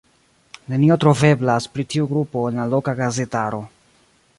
Nenio troveblas pri tiu grupo en la loka gazetaro.